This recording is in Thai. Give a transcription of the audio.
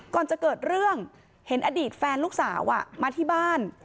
ก่อนจะเกิดเรื่องเห็นอดีตแฟนลูกสาวมาที่บ้าน